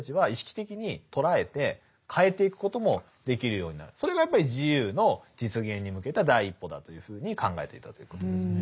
ただヘーゲルはそのそれがやっぱり自由の実現に向けた第一歩だというふうに考えていたということですね。